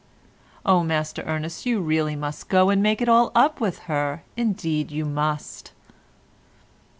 Oh, Master Ernest, you really must go and make it all up with her; indeed you must."